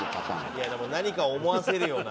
いや何かを思わせるような。